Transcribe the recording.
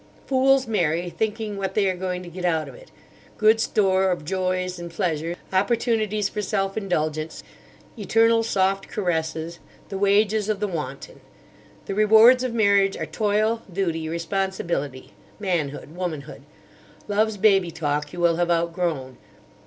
Fools marry thinking what they are going to get out of it: good store of joys and pleasure, opportunities for self indulgence, eternal soft caresses—the wages of the wanton. The rewards of marriage are toil, duty, responsibility—manhood, womanhood. Love's baby talk you will have outgrown.